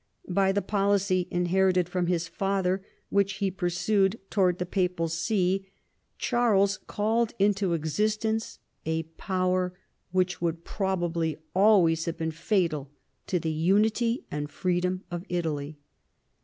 By the policy (inherited from his father) which he pursued towards the papal see, Charles called into existence a power which would probably always have been fatal to the unity and freedom of lUxly.